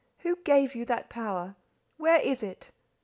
Who gave you that power? Where is it?